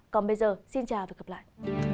còn bây giờ xin chào và gặp lại